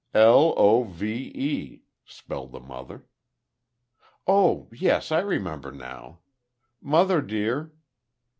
"L o v e," spelled the mother. "Oh, yes! I 'member now.... Mother, dear?"